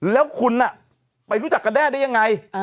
แล้วคุณไปรู้จักกันแด้ได้ยังไง